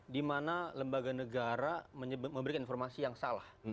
di mana lembaga negara memberikan informasi yang salah